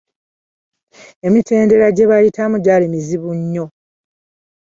Emitendera gye baayitamu gyali muzibu nnyo.